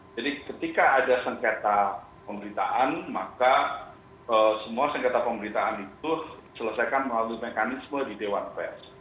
jadi ketika ada sengketa pemerintahan maka semua sengketa pemerintahan itu diselesaikan melalui mekanisme di dewan pers